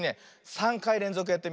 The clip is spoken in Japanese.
３かいれんぞくやってみるよ。